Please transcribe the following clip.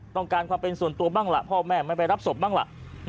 ต้องการความเป็นส่วนตัวบ้างล่ะพ่อแม่ไม่ไปรับศพบ้างล่ะ